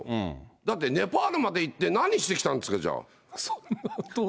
だって、ネパールまで行って何してきたんですか、じゃあ。